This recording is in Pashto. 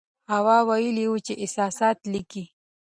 هوا ویلي وو چې احساسات لیکي.